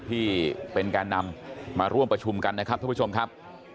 ที่เป็นแกนนำมาร่วมประชุมกันนะครับทุกผู้ชมครับ